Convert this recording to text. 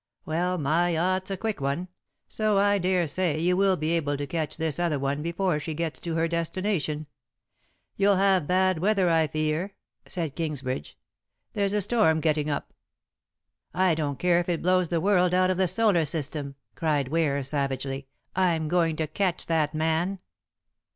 "Well, my yacht's a quick one, so I daresay you will be able to catch this other one before she gets to her destination. You'll have bad weather, I fear," said Kingsbridge; "there's a storm getting up." "I don't care if it blows the world out of the solar system," cried Ware savagely; "I'm going to catch that man."